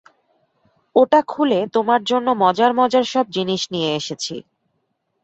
ওটা খুলে তোমার জন্য মজার মজার সব জিনিস নিয়ে এসেছি।